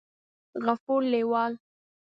غفور لېوال